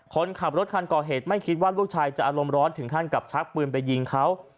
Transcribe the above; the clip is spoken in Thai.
คนขับรถคันก่อเหตุไม่คิดว่าลูกชายจะอารมณ์ร้อนถึงขั้นกับชักปืนไปยิงเขา